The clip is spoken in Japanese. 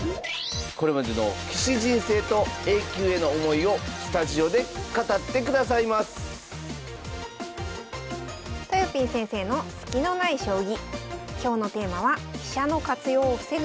これまでの棋士人生とＡ級への思いをスタジオで語ってくださいますとよぴー先生のスキのない将棋。